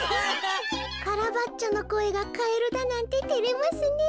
カラバッチョのこえがカエルだなんててれますねえ。